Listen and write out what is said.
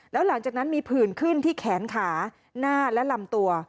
แล้วหลังจากนั้นมีผื่นขึ้นที่แขนขาหน้าและลำตัว